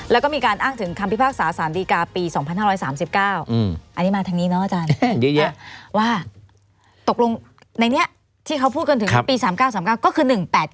แล้วก็มีการอ้างถึงคำพิพากษาสารดีกาปี๒๕๓๙อันนี้มาทางนี้เนาะอาจารย์เยอะว่าตกลงในนี้ที่เขาพูดกันถึงปี๓๙๓๙ก็คือ๑๘๙